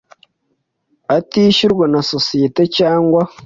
atishyurwa na sosiyete cyangwa